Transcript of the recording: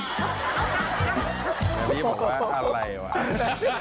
เขาเขาเขา